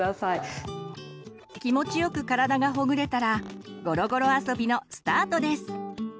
気持ちよく体がほぐれたらごろごろ遊びのスタートです。